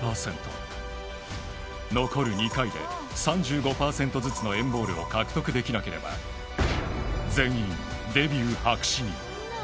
残る２回で３５％ずつの＆ＢＡＬＬを獲得できなければ全員デビュー白紙に。